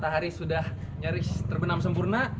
matahari sudah nyaris terbenam sempurna